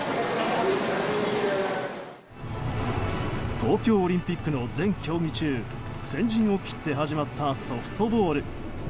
東京オリンピックの全競技中先陣を切って始まったソフトボール。